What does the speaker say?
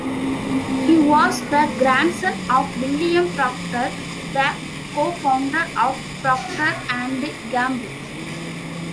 He was the grandson of William Procter, the co-founder of Procter and Gamble.